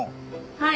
はい。